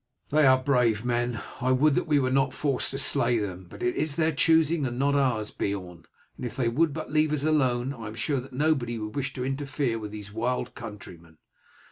"They are brave men. I would that we were not forced to slay them; but it is their choosing and not ours, Beorn, and if they would but leave us alone I am sure that nobody would wish to interfere with these wild countrymen."